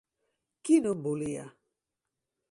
Qui no en volia?